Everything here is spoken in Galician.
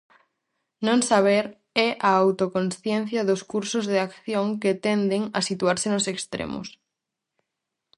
Non-saber é a autoconsciencia dos cursos de acción que tenden a situarse nos extremos.